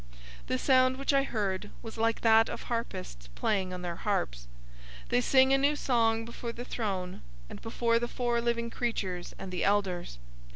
The sound which I heard was like that of harpists playing on their harps. 014:003 They sing a new song before the throne, and before the four living creatures and the elders.